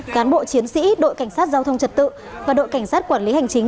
cán bộ chiến sĩ đội cảnh sát giao thông trật tự và đội cảnh sát quản lý hành chính